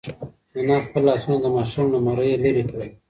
انا خپل لاسونه د ماشوم له مرۍ لرې کړل.